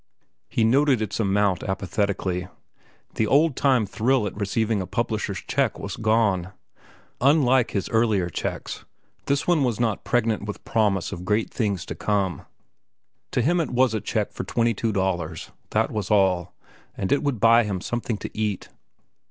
He noted its amount apathetically. The old time thrill at receiving a publisher's check was gone. Unlike his earlier checks, this one was not pregnant with promise of great things to come. To him it was a check for twenty two dollars, that was all, and it would buy him something to eat.